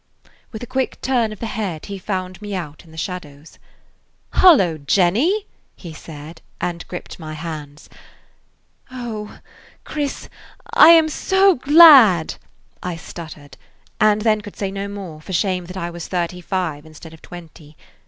With a quick turn of the head, he found me out in the shadows. "Hullo, Jenny!" he said, and gripped my hands. "O Chris, I am so glad!" I stuttered, and then could say no more for shame that I was thirty five instead of twenty.